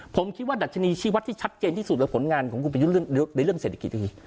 ผมคิดว่าดัชนีชีวัตรที่ชัดเจนที่สุดเลยผลงานของคุณประยุทธ์ในเรื่องเศรษฐกิจ